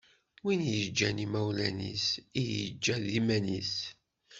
Win yeǧǧan imawlan-is i yeǧǧa d iman-is.